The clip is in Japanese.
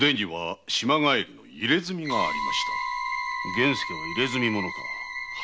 源助は「入墨者」か。